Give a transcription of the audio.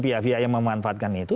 pia pia yang memanfaatkan itu